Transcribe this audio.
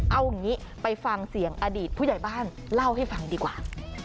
เอาอย่างนี้ไปฟังเสียงอดีตผู้ใหญ่บ้านเล่าให้ฟังดีกว่า